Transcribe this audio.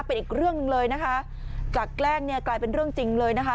เป็นอีกเรื่องหนึ่งเลยนะคะจากแกล้งเนี่ยกลายเป็นเรื่องจริงเลยนะคะ